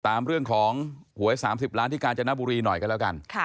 ตามเรื่องของหวย๓๐ล้านที่กาญจนบุรีหน่อยกันแล้วกัน